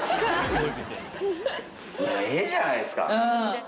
Ａじゃないですか。